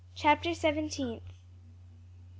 CHAPTER SEVENTEENTH.